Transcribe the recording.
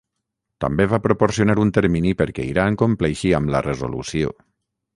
També va proporcionar un termini perquè Iran compleixi amb la resolució.